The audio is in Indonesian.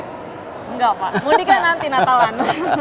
enggak pak mudik kan nanti natalan